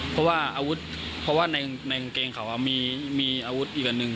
เพราะว่าในกางเกงเขามีอาวุธอีกอันนึง